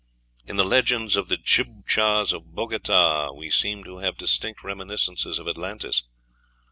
In the legends of the Chibchas of Bogota we seem to have distinct reminiscences of Atlantis.